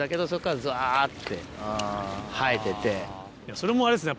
それもあれですね